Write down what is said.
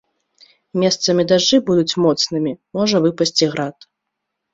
Месцамі дажджы будуць моцнымі, можа выпасці град.